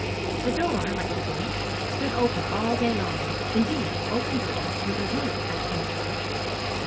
The door, like the gate, stood open all day long indeed, open doors were the rule at Kingthorpe.